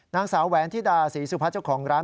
นางสาวแหวนธิดาศรีสุพัฒน์เจ้าของร้าน